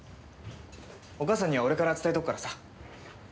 お母さんには俺から伝えとくからさ。